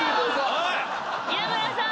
稲村さん。